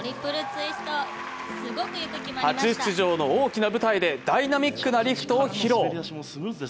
初出場の大きな舞台でダイナミックなリフトを披露。